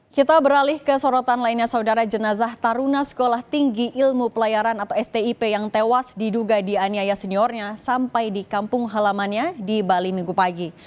kita beralih ke sorotan lainnya saudara jenazah taruna sekolah tinggi ilmu pelayaran atau stip yang tewas diduga dianiaya seniornya sampai di kampung halamannya di bali minggu pagi